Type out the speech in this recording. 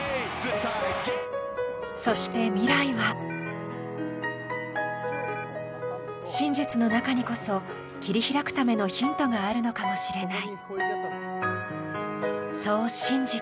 そして未来は真実の中にこそ切り開くためのヒントがあるのかもしれない。